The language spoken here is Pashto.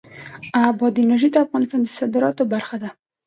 بادي انرژي د افغانستان د صادراتو برخه ده.